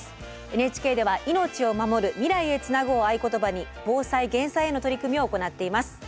ＮＨＫでは「命をまもる未来へつなぐ」を合言葉に防災減災への取り組みを行っています。